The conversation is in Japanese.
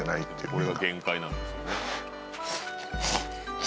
これが限界なんですよね。